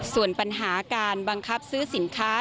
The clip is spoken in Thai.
ส่วนปัญหาการบังคับซื้อสินค้า